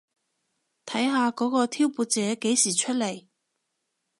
睇下嗰個挑撥者幾時出嚟